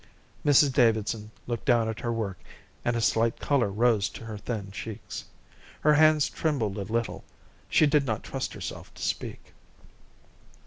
Mrs Davidson looked down at her work, and a slight colour rose to her thin cheeks. Her hands trembled a little. She did not trust herself to speak.